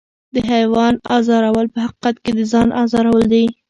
د حیوان ازارول په حقیقت کې د ځان ازارول دي.